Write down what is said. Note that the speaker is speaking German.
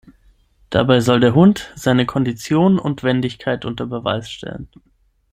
Dabei soll der Hund seine Kondition und Wendigkeit unter Beweis stellen.